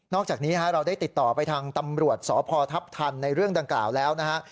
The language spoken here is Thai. อกจากนี้เราได้ติดต่อไปทางตำรวจสพทัพทันในเรื่องดังกล่าวแล้วนะฮะ